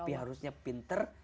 tapi harusnya pinter